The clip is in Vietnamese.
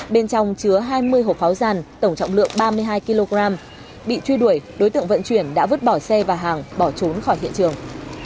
bên trong chứa hai mươi hộp pháo giàn tổng trọng lượng ba mươi hai kg bị truy đuổi đối tượng vận chuyển đã vứt bỏ xe và hàng bỏ trốn khỏi hiện trường